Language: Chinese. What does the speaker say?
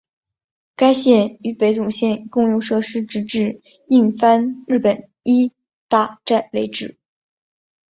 该线与北总线共用设施直至印幡日本医大站为止。